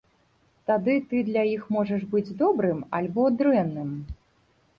Тады ты для іх можаш быць добрым альбо дрэнным.